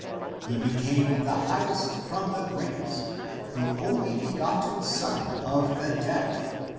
He became the highest from the greatest, the only begotten Son of the depth.